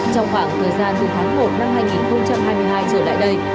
trong khoảng thời gian từ tháng một năm hai nghìn hai mươi hai trở lại đây